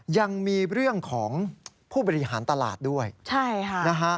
ยังมีเรื่องของผู้บริหารตลาดด้วยนะฮะใช่ครับ